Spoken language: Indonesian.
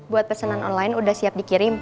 buat pesanan online udah siap dikirim